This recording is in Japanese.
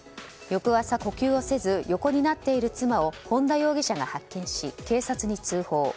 翌朝、呼吸をせず横になっている妻を本田容疑者が発見し警察に通報。